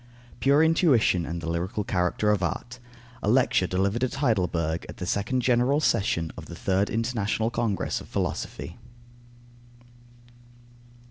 PURE INTUITION AND THE LYRICAL CHARACTER OF ART. _A Lecture delivered at Heidelberg at the second general session of the Third International Congress of Philosophy.